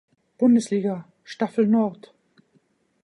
Bundesliga, Staffel Nord.